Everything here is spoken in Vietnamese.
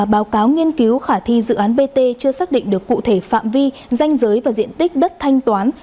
báo cáo nghiên cứu khả thi dự án bt chưa xác định được cụ thể phạm vi danh giới và diện tích đất thanh toán